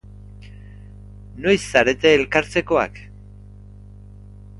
Noiz zarete elkartzekoak?